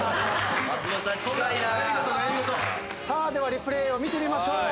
ではリプレーを見てみましょう。